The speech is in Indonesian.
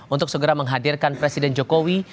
untuk segera menghadirkan presiden jokowi